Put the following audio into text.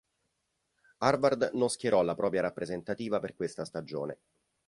Harvard non schierò la propria rappresentativa per questa stagione.